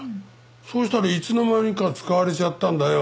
そうしたらいつの間にか使われちゃったんだよ。